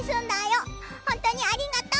ほんとうにありがとう！